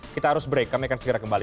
kita harus break kami akan segera kembali